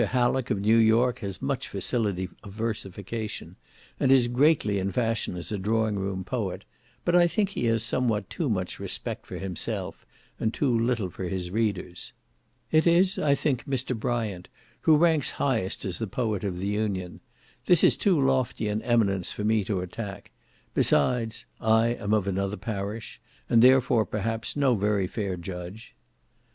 Hallock, of New York, has much facility of versification, and is greatly in fashion as a drawing room poet, but I think he has somewhat too much respect for himself, and too little for his readers. It is, I think, Mr. Bryant who ranks highest as the poet of the Union. This is too lofty an eminence for me to attack; besides, "I am of another parish," and therefore, perhaps, no very fair judge.